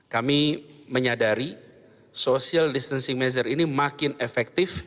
kami menyadari social distancing measure ini makin efektif